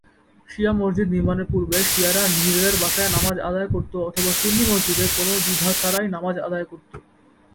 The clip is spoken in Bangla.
শিয়া মসজিদ নির্মাণের পূর্বে শিয়ারা নিজেদের বাসায় নামায আদায় করত অথবা সুন্নি মসজিদে কোন দ্বিধা ছাড়াই নামায আদায় করত।